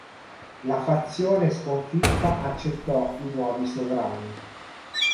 La fazione sconfitta accettò i nuovi sovrani.